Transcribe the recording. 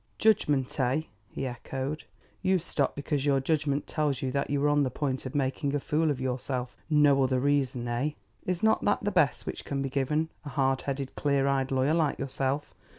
"Judgment, eh?" he echoed. "You stop because your judgment tells you that you were on the point of making a fool of yourself? No other reason, eh?" "Is not that the best which can be given a hard headed, clear eyed lawyer like yourself?